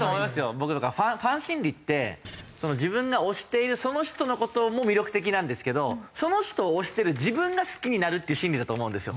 僕だからファン心理って自分が推しているその人の事も魅力的なんですけどその人を推している自分が好きになるっていう心理だと思うんですよ。